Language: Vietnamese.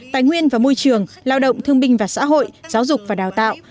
tài nguyên và môi trường lao động thương binh và xã hội giáo dục và đào tạo